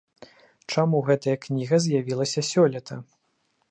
Чаму гэтая кніга з'явілася сёлета?